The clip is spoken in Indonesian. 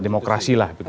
demokrasi lah gitu